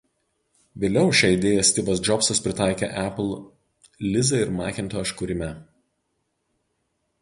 Vėliau šią idėją Stivas Džobsas pritaikė Apple Lisa ir Macintosh kūrime.